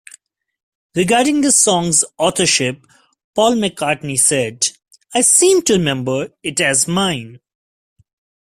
Regarding the song's authorship, Paul McCartney said, I seem to remember it as mine.